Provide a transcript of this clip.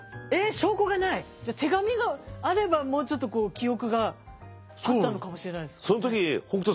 手紙があればもうちょっとこう記憶があったのかもしれないですかね。